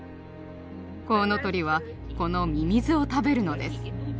コウノトリはこのミミズを食べるのです。